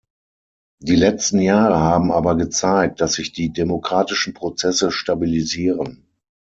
Die letzten Jahre haben aber gezeigt, dass sich die demokratischen Prozesse stabilisieren.